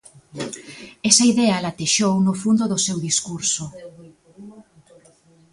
Esa idea latexou no fundo do seu discurso.